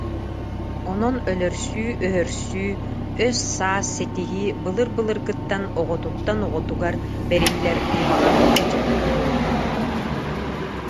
Онон өлөрсүү-өһөрсүү, өс-саас ситиһии былыр-былыргыттан оҕотуттан оҕотугар бэриллэр куһаҕан кыдьык буолбут